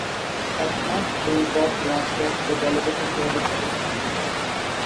অর্থাৎ রেলপথ, রাজপথ ও জলপথের যোগাযোগ ব্যবস্থা।